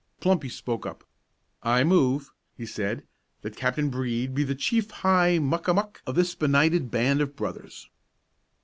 Plumpy spoke up. "I move," he said, "that Captain Brede be the Chief High Muck a Muck of this Benighted Band of Brothers."